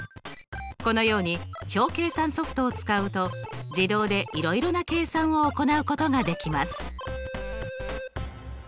このように表計算ソフトを使うと自動でいろいろな計算を行うことができます。